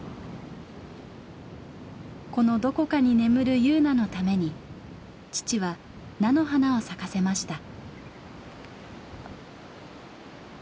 このどこかに眠る汐凪のために父は菜の花を咲かせました。